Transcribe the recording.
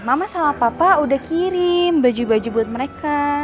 mama sama papa udah kirim baju baju buat mereka